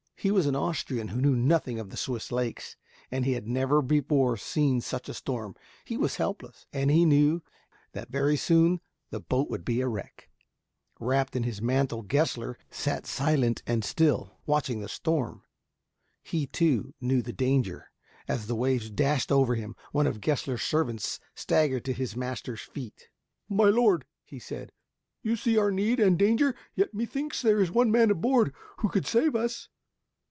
He was an Austrian who knew nothing of the Swiss lakes, and he had never before been in such a storm. He was helpless, and he knew that very soon the boat would be a wreck. Wrapped in his mantle, Gessler sat silent and still, watching the storm. He, too, knew the danger. As the waves dashed over him, one of Gessler's servants staggered to his master's feet. "My lord," he said, "you see our need and danger, yet methinks there is one man on board who could save us."